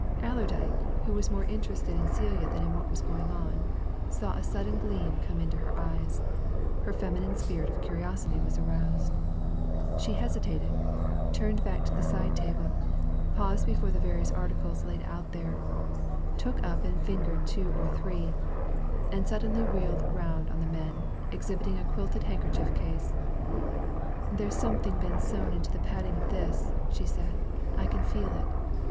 Allerdyke, who was more interested in Celia than in what was going on, saw a sudden gleam come into her eyes her feminine spirit of curiosity was aroused. She hesitated, turned back to the side table, paused before the various articles laid out there, took up and fingered two or three, and suddenly wheeled round on the men, exhibiting a quilted handkerchief case. "There's something been sewn into the padding of this!" she said. "I can feel it.